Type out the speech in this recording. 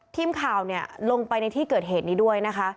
ทีมข่าวลงไปในที่เกิดเหตุนี้ด้วยนะคะ